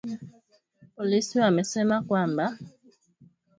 Polisi wamesema kwamba